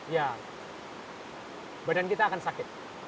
ya badan kita akan sakit